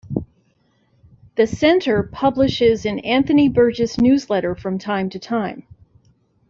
The Center publishes an "Anthony Burgess Newsletter" from time to time.